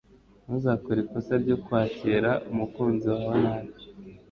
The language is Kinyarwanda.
ntuzakore ikosa ryo kwakira umukunzi wawe nabi